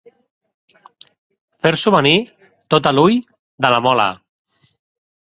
Fer-s'ho venir tot a l'ull de la mola.